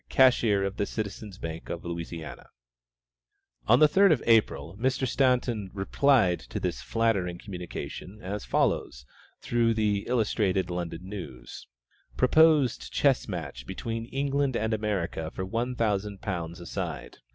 cashier of the Citizen's Bank of Louisiana. On the 3d of April, Mr. Staunton replied to this very flattering communication as follows, through the "Illustrated London News:" "PROPOSED CHESS MATCH BETWEEN ENGLAND AND AMERICA FOR ONE THOUSAND POUNDS A SIDE.